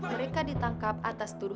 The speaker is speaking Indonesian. saya gak mau